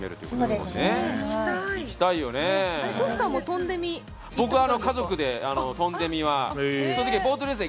僕も家族でトンデミは。